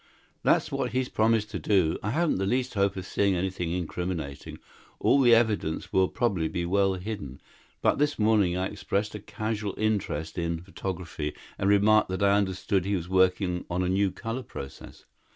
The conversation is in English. "That's what he's promised to do. I haven't the least hope of seeing anything incriminating all the evidence will probably be well hidden but this morning I expressed a casual interest in photography and remarked that I understood he was working on a new color process.